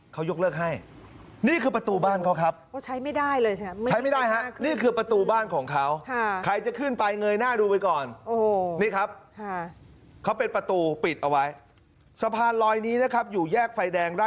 ก็คือเมืองพริชบูรณ์ผมก็นึกว่าสะพานลอยอยู่ไกล